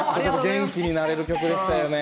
元気になれる曲でしたね。